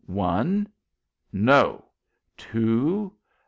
"One?" "No." "Two?"